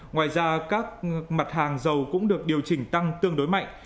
ngoài ra các mặt hàng dầu cũng được điều chỉnh tăng tương đối mạnh